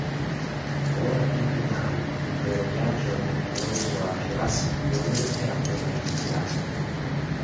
Ora più che mai il vero viaggio avventuroso a Jurassic World è appena iniziato.